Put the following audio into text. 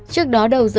trước đó đầu tiên